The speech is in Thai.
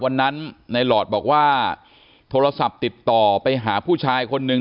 วันนั้นในหลอดบอกว่าโทรศัพท์ติดต่อไปหาผู้ชายคนนึง